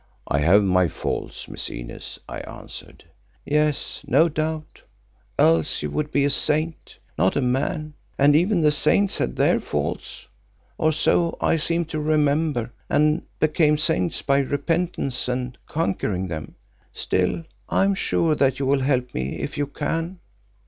"I have my faults, Miss Inez," I answered. "Yes, no doubt, else you would be a saint, not a man, and even the saints had their faults, or so I seem to remember, and became saints by repentance and conquering them. Still, I am sure that you will help me if you can."